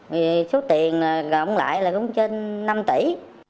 vì số tiền gọng lại là cũng trên năm tỷ